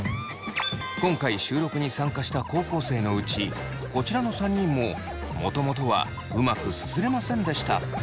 今回収録に参加した高校生のうちこちらの３人ももともとはうまくすすれませんでした。